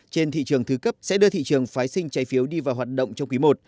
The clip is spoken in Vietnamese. trên thị trường thứ cấp sẽ đưa thị trường phái sinh trái phiếu đi vào hoạt động trong quý i